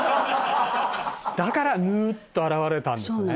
だからヌーッと現れたんですね。